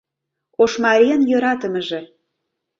Ош марийын йӧратымыже